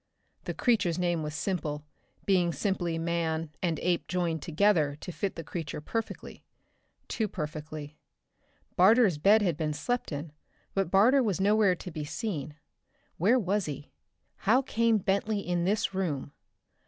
The creature's name was simple, being simply "man" and "ape" joined together to fit the creature perfectly too perfectly. Barter's bed had been slept in, but Barter was nowhere to be seen. Where was he? How came Bentley in this room?